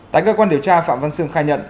tại cơ quan điều tra phạm văn sương khai nhận